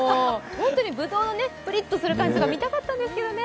本当にぶどうのプリッとする感じとか見たかったんですけどね。ね。